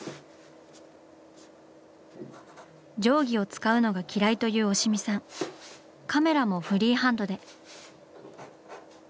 定規を使うのが嫌いという押見さんカメラもフリーハンドで。